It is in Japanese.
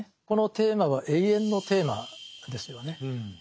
このテーマは永遠のテーマですよね。